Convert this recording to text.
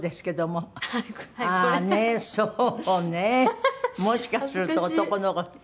もしかすると男の子。